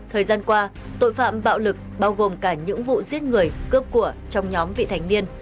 thời gian qua tội phạm bạo lực bao gồm cả những vụ giết người cướp của trong nhóm vị thành niên